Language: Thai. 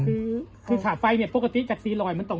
ขอบคุณคือขาไฟเนี่ยปกติจากสี่รอยมันต้อง